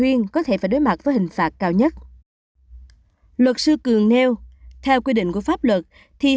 xin chào và hẹn gặp lại